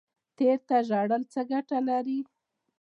تیر ته ژړل څه ګټه لري؟